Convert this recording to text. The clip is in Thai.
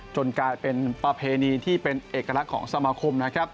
จนกลายเป็นประเพณีที่เป็นเอกลักษณ์ของสมคม